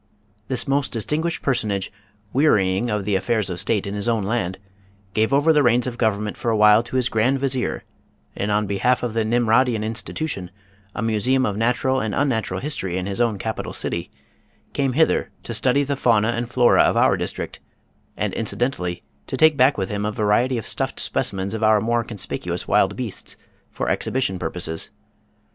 This most distinguished personage, wearying of the affairs of state in his own land, gave over the reins of government for a while to his Grand Vizier, and on behalf of the Nimrodian Institution, a Museum of Natural and Unnatural History in his own capital city, came hither to study the fauna and flora of our district, and incidentally to take back with him a variety of stuffed specimens of our more conspicuous wild beasts for exhibition purposes.